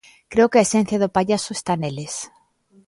Creo que a esencia do pallaso está neles.